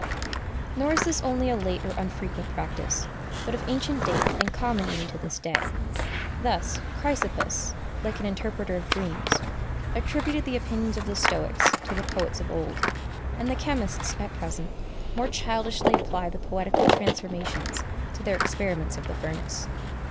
Nor is this only a late or unfrequent practice, but of ancient date and common even to this day. Thus Chrysippus, like an interpreter of dreams, attributed the opinions of the Stoics to the poets of old; and the chemists, at present, more childishly apply the poetical transformations to their experiments of the furnace.